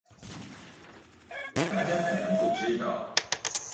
大家可能不知道